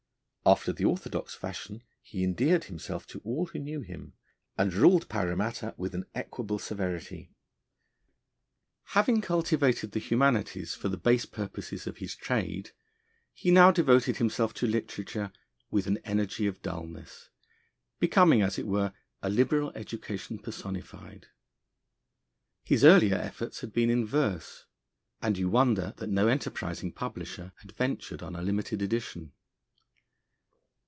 After the orthodox fashion he endeared himself to all who knew him, and ruled Paramatta with an equable severity. Having cultivated the humanities for the base purposes of his trade, he now devoted himself to literature with an energy of dulness, becoming, as it were, a liberal education personified. His earlier efforts had been in verse, and you wonder that no enterprising publisher had ventured on a limited edition.